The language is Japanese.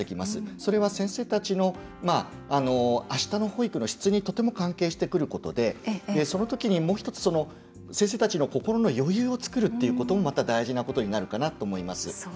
それは先生たちのあしたの保育の質にとても関係してくることでその時に、もう一つ先生たちの心の余裕を作ることもまた大事なことになるかなと思います。